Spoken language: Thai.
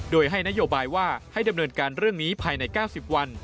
โดยให้นโยบายว่าให้ดำเนินการเรื่องนี้ภายใน๙๐วัน